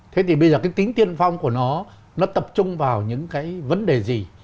thế thì bây giờ cái tính tiên phong của nó nó tập trung vào những cái vấn đề gì